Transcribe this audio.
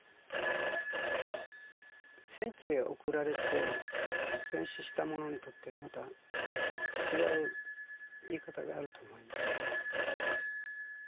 戦地へ送られて戦死した者にとっては、また違う言い方があると思いますよ。